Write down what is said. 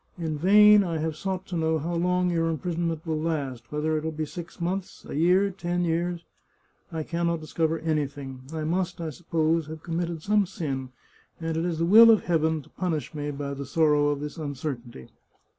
In vain I have sought to know how long your imprisonment will last — whether it will be six months, a year, ten years. I can not discover anything. I must, I suppose, have committed some sin, and it is the will of Heaven to punish me by the sorrow of this uncertainty.